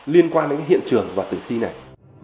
liên quan đến cái hiện trường và tử thi này